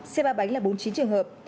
xe bà bánh là bốn mươi chín trường hợp